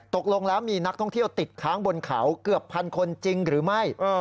ตกลงแล้วมีนักท่องเที่ยวติดค้างบนเขาเกือบพันคนจริงหรือไม่